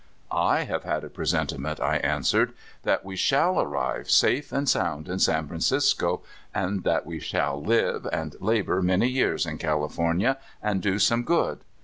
*'/ have had a presentiment," I answered, '' that we shall arrive safe and sound in San Francisco, and that we shall live and labor many years in California, and do some good.